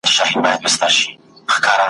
ښار او مالت ته مو ښادی او اخترونه لیکي `